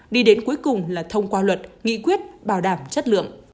đi đến cuối cùng là thông qua luật nghị quyết bảo đảm chất lượng